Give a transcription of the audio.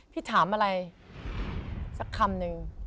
พี่ถามอะไรสักคำหนึ่ง